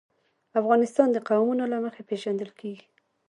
افغانستان د قومونه له مخې پېژندل کېږي.